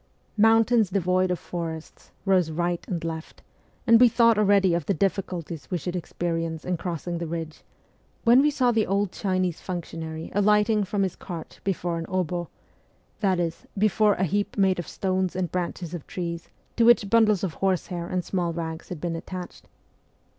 Mountains devoid of forests rose right and left, and we thought already of the difficulties we should experience in crossing the ridge, when we saw the old Chinese functionary alighting from his cart before an 060 that is, before a heap made of stones and branches of trees to which bundles of horsehair and small rags had been attached.